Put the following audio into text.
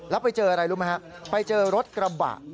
แล้วไปเจออะไรรู้ไหมฮะไปเจอรถกระบะ